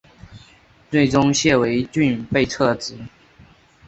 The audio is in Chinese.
最终谢维俊被撤职。